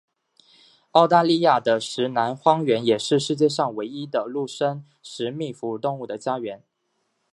澳大利亚的石楠荒原也是世界上唯一的陆生食蜜哺乳动物的家园。